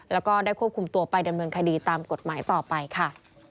แล้วก็ได้ควบคุมตัวไปดำเนินคดีตามกฎหมายต่อไปค่ะ